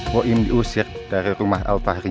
woyin diusir dari rumah arfari